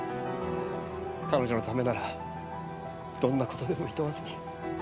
彼女のためならどんな事でもいとわずに。